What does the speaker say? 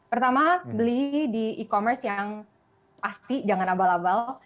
pertama beli di e commerce yang pasti jangan abal abal